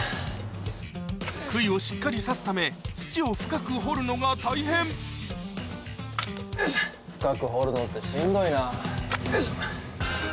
くいをしっかりさすため土を深く掘るのが大変よいしょ。